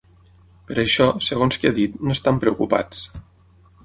Per això, segons que ha dit, no estan preocupats.